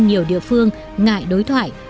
nhiều địa phương ngại đối thoại